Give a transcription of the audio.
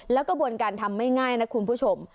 แล้วกระบวนการทำไม่ง่ายนะคุณผู้ชม